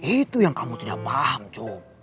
itu yang kamu tidak paham cuma